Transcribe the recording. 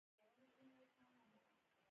ولسمشرزیلینسکي